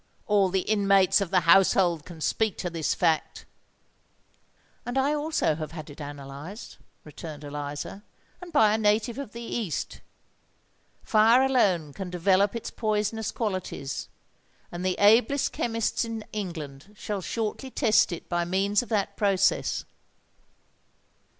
All the inmates of the household can speak to this fact." "And I also have had it analysed," returned Eliza; "and by a native of the East! Fire alone can develope its poisonous qualities; and the ablest chemists in England shall shortly test it by means of that process!"